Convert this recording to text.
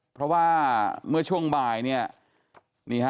เพราะว่าเมื่อช่วงบ่ายเนี่ยนี่ฮะ